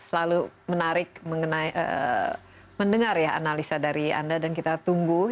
selalu menarik mendengar analisa dari anda dan kita tunggu